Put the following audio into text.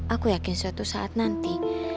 aku yakin suatu saat nanti